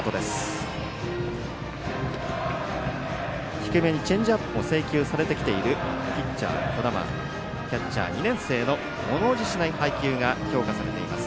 低めにチェンジアップも制球されてきているピッチャー、小玉キャッチャー２年生のものおじしない配球が評価されています